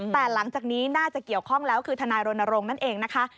แต่หลังจากนี้น่าจะเกี่ยวข้องแล้วคือทนายรณรงค์นั่นเองนะคะ